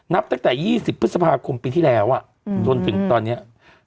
นับตั้งแต่ยี่ยี่สิบพฤษภาคมปีที่แล้วอ่ะอืมโดนถึงตอนเนี้ยอ๋อ